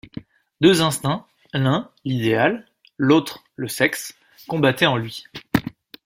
Deux instincts, l’un l’idéal, l’autre le sexe, combattaient en lui.